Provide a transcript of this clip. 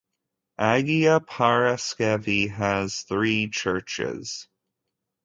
Agia Paraskevi has three churches.